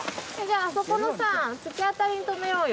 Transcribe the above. あそこのさ突き当たりに止めようよ。